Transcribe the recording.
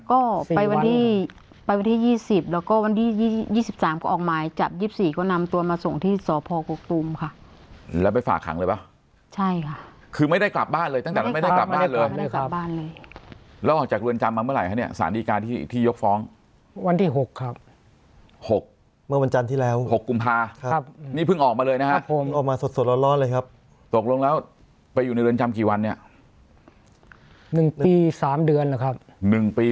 ก็ไปวันที่๒๐แล้วก็๒๓ก็ออกมาจับ๒๔ก็นำตัวมาส่งที่สพกตูมประมาณ๕โมงเย็นเขาก็ย้ายที่สพกตูมประมาณ๕โมงเย็นเขาก็ย้ายที่สพกตูมประมาณ๕โมงเย็นเขาก็ย้ายที่สพกตูมประมาณ๕โมงเย็นเขาก็ย้ายที่สพกตูมประมาณ๕โมงเย็นเขาก็ย้ายที่สพกตูมประมาณ๕โมงเย็นเขาก็ย้ายที่สพกตูมประมาณ๕โม